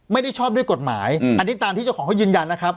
ไม่ได้ชอบด้วยกฎหมายอันนี้ตามที่เจ้าของเขายืนยันนะครับ